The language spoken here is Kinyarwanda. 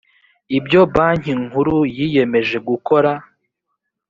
ibyo banki nkuru yiyemeje gukora